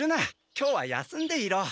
今日は休んでいろ。